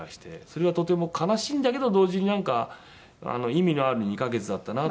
それはとても悲しいんだけど同時になんか意味のある２カ月だったなとは思ってますね。